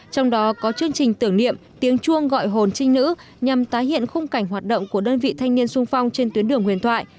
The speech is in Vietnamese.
trong đó có chương trình tưởng niệm tiếng chuông gọi hồn trinh nữ nhằm tái hiện khung cảnh hoạt động của đơn vị thanh niên sung phong trên tuyến đường huyền thoại